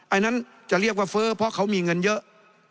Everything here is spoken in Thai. อันนั้นจะเรียกว่าเฟ้อเพราะเขามีเงินเยอะ